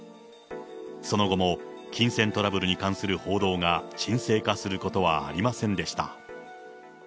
その後も金銭トラブルに関する報道が沈静化することはありませんでした。